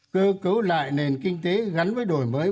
cơ cấu lại nền kinh tế gắn với đổi mới